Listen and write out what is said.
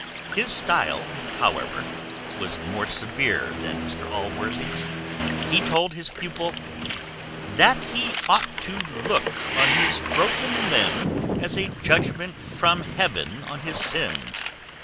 His stile, however, was more severe than Mr Allworthy's: he told his pupil, "That he ought to look on his broken limb as a judgment from heaven on his sins.